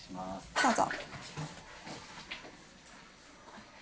どうぞ。